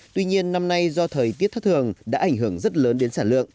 tuy nhiên năm nay do thời tiết thất thường đã ảnh hưởng rất lớn đến sản lượng